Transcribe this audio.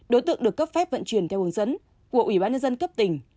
đối tượng được cấp phép vận chuyển theo hướng dẫn của ủy ban nhân dân cấp tỉnh